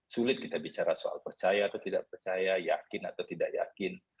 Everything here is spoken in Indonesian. sulit kita bicara soal percaya atau tidak percaya yakin atau tidak yakin